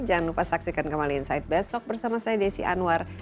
jangan lupa saksikan kembali insight besok bersama saya desi anwar